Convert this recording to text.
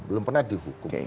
belum pernah dihukum